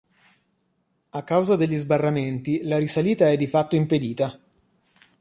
A causa degli sbarramenti la risalita è di fatto impedita.